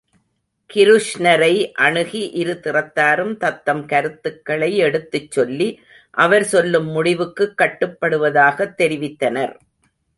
கிருஷ்ணரை அணுகி, இருதிறத்தாரும் தத்தம் கருத்துக்களை எடுத்துச் சொல்லி, அவர் சொல்லும் முடிக்குக் கட்டுப்படுவதாகத் தெரிவித்தனர்.